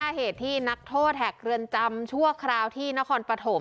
เหตุที่นักโทษแหกเรือนจำชั่วคราวที่นครปฐม